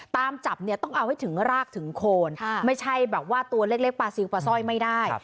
ตามจับเนี่ยต้องเอาให้ถึงรากถึงโคนไม่ใช่แบบว่าตัวเล็กปลาซิลปลาสร้อยไม่ได้